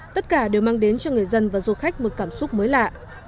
tất cả đều mang đến cho người dân và du khách một cảm xúc mới lạ